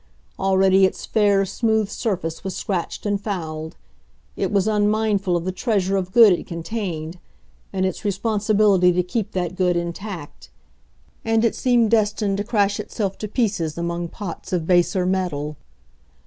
Already its fair, smooth surface was scratched and fouled. It was unmindful of the treasure of good it contained, and its responsibility to keep that good intact. And it seemed destined to crash itself to pieces among pots of baser metal.